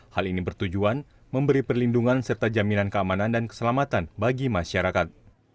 hal ini bertujuan memberi perlindungan serta jaminan keamanan dan keselamatan bagi masyarakat